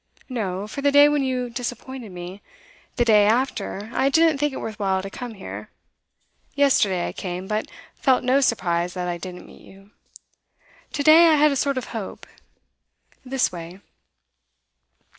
'No. For the day when you disappointed me. The day after, I didn't think it worth while to come here; yesterday I came, but felt no surprise that I didn't meet you. To day I had a sort of hope. This way.